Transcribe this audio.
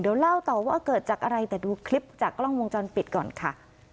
เดี๋ยวเล่าต่อว่าเกิดจากอะไรแต่ดูคลิปจากกล้องวงจรปิดก่อนค่ะ